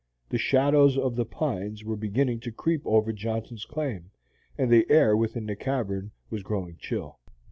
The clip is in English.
The shadows of the pines were beginning to creep over Johnson's claim, and the air within the cavern was growing chill.